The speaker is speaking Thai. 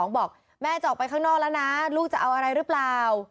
บอกแม่จะออกไปข้างนอกแล้วนะลูกจะเอาอะไรหรือเปล่า